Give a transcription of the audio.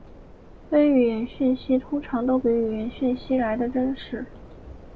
非语言讯息通常都比语言讯息来得真实。